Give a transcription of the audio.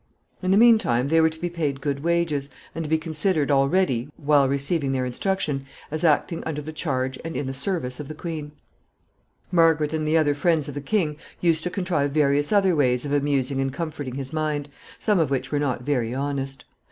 In the mean time they were to be paid good wages, and to be considered already, while receiving their instruction, as acting under the charge and in the service of the queen. [Sidenote: Pretended pilgrimages.] [Sidenote: The king comforted.] Margaret and the other friends of the king used to contrive various other ways of amusing and comforting his mind, some of which were not very honest.